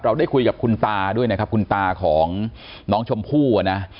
ได้คุยกับคุณตาด้วยนะครับคุณตาของน้องชมพู่นะ